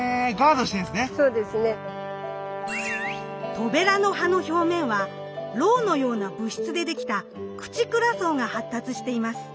トベラの葉の表面はロウのような物質でできた「クチクラ層」が発達しています。